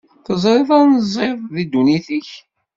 Teẓriḍ anziḍ di ddunit-ik?